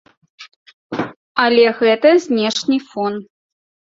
Але гэта знешні фон.